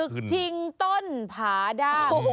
ศึกชิงต้นผาด้าม